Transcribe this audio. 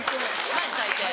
マジ最低。